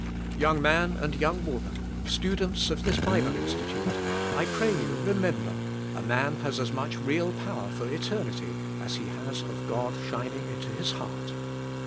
Young" man and young" woman, students of this Bible Institute, I pray you remember, a man has as much real power for eternity as he has of God shining" into his heart.